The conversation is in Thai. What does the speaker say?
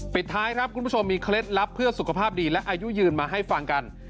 ปิดท้ายมีเคล็ดลับเพื่อสุขภาพดีและอายุยืนมาให้ฟังกัน